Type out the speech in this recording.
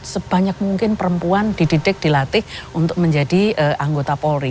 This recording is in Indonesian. sebanyak mungkin perempuan dididik dilatih untuk menjadi anggota polri